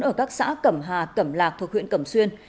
ở các xã cẩm hà cẩm lạc thuộc huyện cẩm xuyên